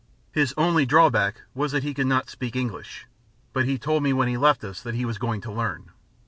His only drawback was that he could not speak English, but he told me when he left us that he was going to learn.